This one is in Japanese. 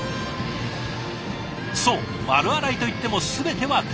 そう丸洗いといっても全ては手作業。